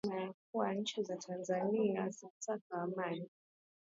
Cola sacadera péscanse tamién.